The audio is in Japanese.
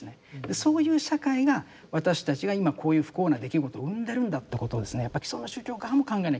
そういう社会が私たちが今こういう不幸な出来事を生んでるんだってことをやっぱ既存の宗教側も考えなきゃいけない。